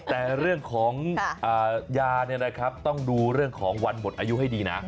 แต่เรื่องของยาเนี่ยนะครับต้องดูเรื่องของวันหมดอายุให้ดีนะ